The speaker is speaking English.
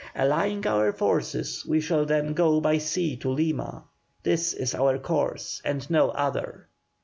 Allying our forces, we shall then go by sea to Lima. This is our course, and no other."